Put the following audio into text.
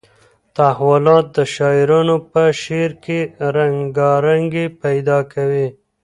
تحولات د شاعرانو په شعر کې رنګارنګي پیدا کوي.